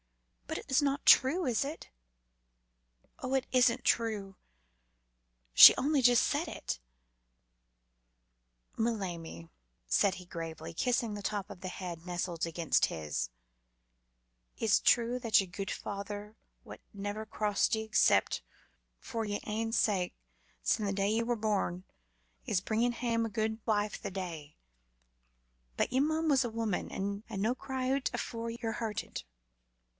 But it's not true, is it? Oh! it isn't true? She only just said it?" "Ma lammie," said he gravely, kissing the top of the head nestled against him, "it's true that yer guid feyther, wha' never crossed ye except for yer ain sake syne the day ye were born, is bringing hame a guid wife the day, but ye mun be a wumman and no cry oot afore ye're hurted.